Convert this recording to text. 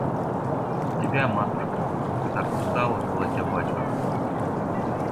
Тебя, матушка: ты так устала, колотя батюшку.